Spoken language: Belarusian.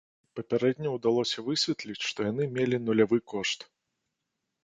Папярэдне ўдалося высветліць, што яны мелі нулявы кошт.